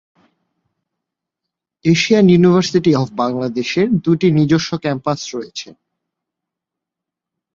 Asian University of বাংলাদেশের দুইটি নিজস্ব ক্যাম্পাস রয়েছে।